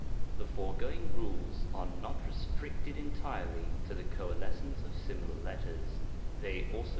THE foregoing rules are not restricted entirely to the coalescence of similar letters, they also *